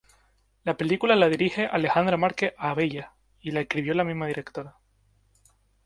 La película la dirige Alejandra Márquez Abella y la escribió la misma directora.